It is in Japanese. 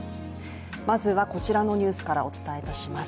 まずはこちらのニュースからお伝えします。